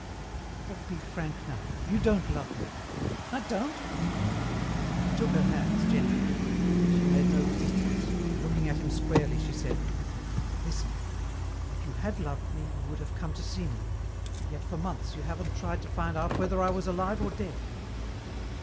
"But be frank, now. You don't love me." "I don't?" He took her hands, gently. She made no resistance, but looking at him squarely she said, "Listen. If you had loved me you would have come to see me; and yet for months you haven't tried to find out whether I was alive or dead."